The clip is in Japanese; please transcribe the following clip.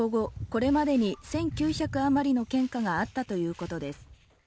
これまでに１９００あまりの献花があったということです。